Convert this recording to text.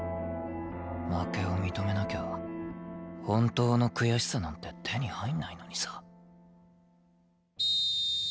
負けを認めなきゃ本当の悔しさなんて手に入んないのにさ。